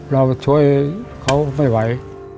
เราช่วยเขาไม่ไหว